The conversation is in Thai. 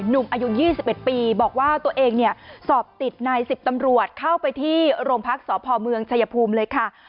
หนุ่มอายุ๒๑ปีบอกว่าตัวเองเนี่ยสอบติดนาย๑๐ตำรวจเข้าไปที่โรงพักษพเมืองชายภูมิเลยค่ะ